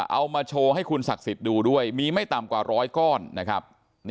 เอามาโชว์ให้คุณศักดิ์สิทธิ์ดูด้วยมีไม่ต่ำกว่าร้อยก้อนนะครับ